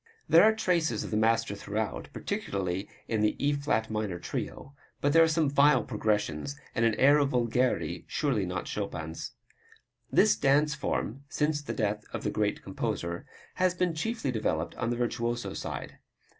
There are traces of the master throughout, particularly in the E flat minor Trio, but there are some vile progressions and an air of vulgarity surely not Chopin's. This dance form, since the death of the great composer, has been chiefly developed on the virtuoso side.